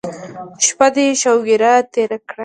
شپه دې شوګیره تېره کړه.